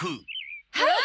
はい！